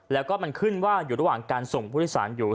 แล้วก็มันขึ้นว่าอยู่ระหว่างการส่งผู้โดยสารอยู่